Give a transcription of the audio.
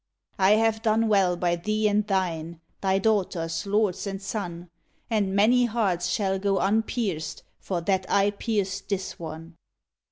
I have done well by thee and thine Thy daughters, lords and son; And many hearts shall go unpierced, For that I pierced this one."